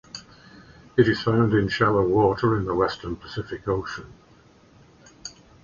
It is found in shallow water in the western Pacific Ocean.